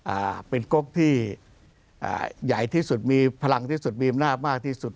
อ่าเป็นก๊กที่อ่าใหญ่ที่สุดมีพลังที่สุดมีอำนาจมากที่สุด